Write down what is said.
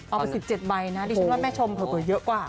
เอาไป๑๗ใบนะดิฉันว่าแม่ชมเผลอเยอะกว่า